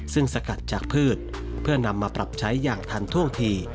ซึ่งสกัดจากพืชเพื่อนำมาปรับใช้อย่างทันท่วงที